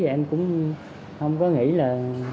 em cũng không có nghĩ là